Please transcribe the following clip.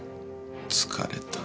疲れた。